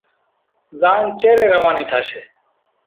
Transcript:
زاڃ چيرين روانِي ٿاشيَ۔